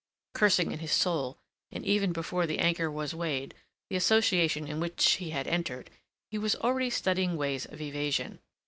Cursing in his soul, and even before the anchor was weighed, the association into which he had entered, he was already studying ways of evasion.